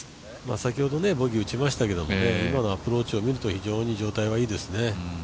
先ほどボギーを打ちましたけれども、今のアプローチを見ると非常に状態はいいですね。